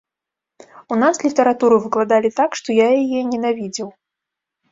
У нас літаратуру выкладалі так, што я яе ненавідзеў.